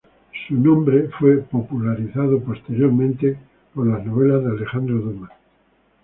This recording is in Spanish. Su nombre fue popularizado posteriormente por las novelas de Alejandro Dumas.